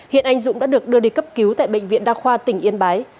trần văn dũng được đưa đi cấp cứu tại bệnh viện đa khoa tỉnh yên bái